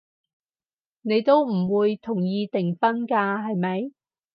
你都唔會同意訂婚㗎，係咪？